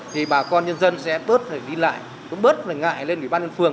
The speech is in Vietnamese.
thì bà con nhân dân sẽ tốt để đi lại cũng bớt ngại lên địa bàn phường